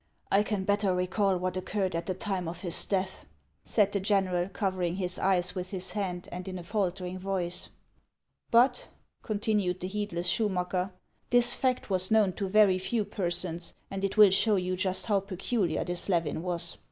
" I can better recall what occurred at the time of his death," said the general, covering his eyes with his hand, and in a faltering voice. " But," continued the heedless Schumacker, " this fact was known to very few persons, and it will show you just how peculiar this Levin was.